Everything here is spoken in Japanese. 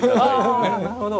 あなるほど。